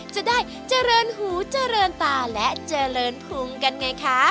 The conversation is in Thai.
จะได้เจริญหูเจริญตาและเจริญพุงกันไงคะ